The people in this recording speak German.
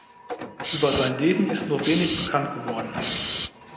Über sein Leben ist nur wenig bekannt geworden.